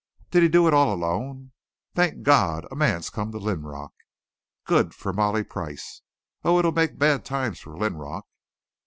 "Did he do it all alone?" "Thank God a man's come to Linrock." "Good for Molly Price!" "Oh, it'll make bad times for Linrock."